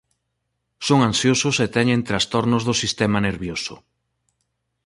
Son ansiosos e teñen trastornos do sistema nervioso.